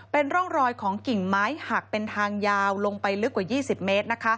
เป็นร่องรอยของกิ่งไม้หักเป็นทางยาวลงไปลึกกว่า๒๐เมตร